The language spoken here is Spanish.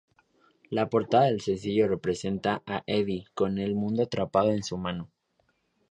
La portada del sencillo representa a Eddie con el mundo atrapado en su mano.